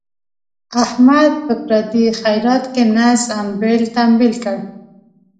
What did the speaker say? احمد په پردي خیرات کې نس امبېل تمبیل کړ.